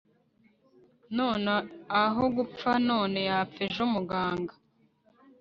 wenda aho gupfa none yapfa ejo Muganga